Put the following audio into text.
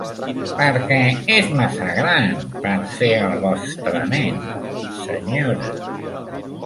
Perquè és massa gran per ser el vostre nen, senyora.